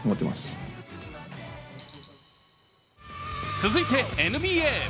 続いてＮＢＡ。